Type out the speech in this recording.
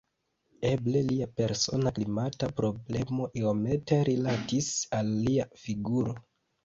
Eble lia persona klimata problemo iomete rilatis al lia figuro.